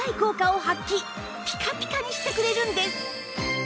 ピカピカにしてくれるんです